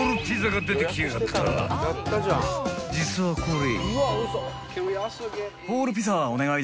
［実はこれ］